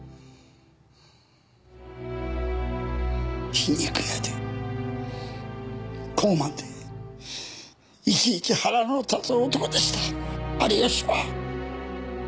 皮肉屋で高慢でいちいち腹の立つ男でした有吉は！